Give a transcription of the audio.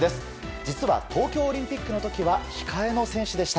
実は、東京オリンピックの時は控えの選手でした。